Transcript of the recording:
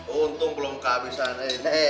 untung belum kehabisan ini